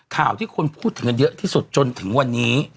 ข่าวที่คนพูดถึงกันเยอะที่สุดจนถึงวันนี้